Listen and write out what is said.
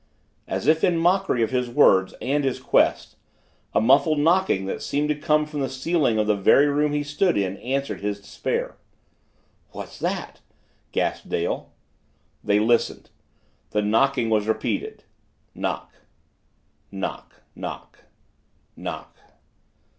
As if in mockery of his words and his quest, a muffled knocking that seemed to come from the ceiling of the very room he stood in answered his despair. "What's that?" gasped Dale. They listened. The knocking was repeated knock knock knock knock.